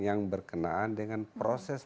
yang berkenaan dengan proses